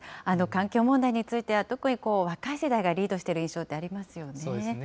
環境問題については特に若い世代がリードしている印象ってありまそうですね。